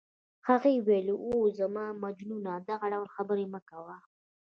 هغې وویل: اوه، زما مجنونه دغه ډول خبرې مه کوه.